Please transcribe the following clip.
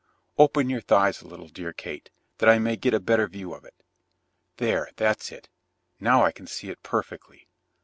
Open your thighs a little, dear Kate, that I may get a better view of it. There, that's it, now I can see it perfectly.